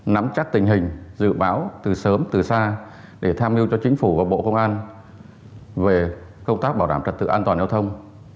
nắm chắc tình hình dự báo từ sớm từ xa để tham mưu cho chính phủ và bộ công an về công tác bảo đảm trật tự an toàn giao thông